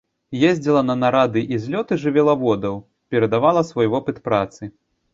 Ездзіла на нарады і злёты жывёлаводаў, перадавала свой вопыт працы.